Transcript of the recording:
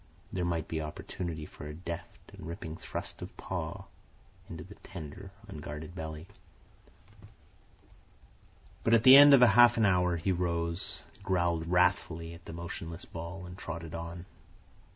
There might be opportunity for a deft and ripping thrust of paw into the tender, unguarded belly. But at the end of half an hour he arose, growled wrathfully at the motionless ball, and trotted on.